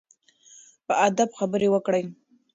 په ادب خبرې وکړئ.